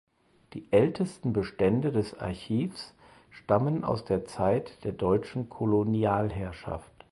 Die ältesten Bestände des Archivs stammen aus der Zeit der deutschen Kolonialherrschaft.